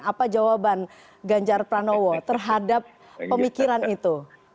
apa jawaban ganjar pranowo terhadap pemikiran itu